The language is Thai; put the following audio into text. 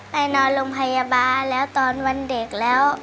ไปนอนโรงพยาบาลแล้วตอนวันเด็กแล้ว